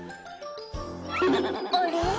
「あれ？